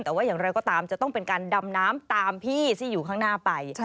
แต่ว่าอย่างไรก็ตามจะต้องเป็นการดำน้ำตามพี่ที่อยู่ข้างหน้าไป